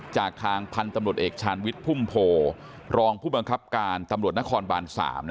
จากทางพันธุ์ตำรวจเอกชาญวิทย์พุ่มโพรองผู้บังคับการตำรวจนครบาน๓